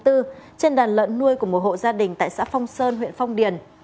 trên đàn lợn nuôi của một hộ gia đình tại xã phong sơn huyện phong điền